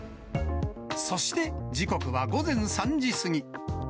そして時刻は午前３時過ぎ。